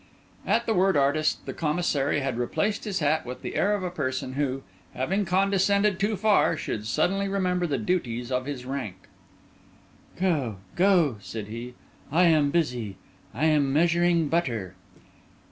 At the word "artist," the Commissary had replaced his hat with the air of a person who, having condescended too far, should suddenly remember the duties of his rank. "Go, go," said he, "I am busy—I am measuring butter."